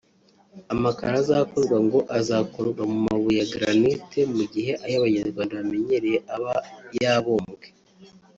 Amakaro azakorwa ngo azakorwa mu mabuye ya granite mu gihe ayo Abanyarwanda bamenyereye aba yabumbwe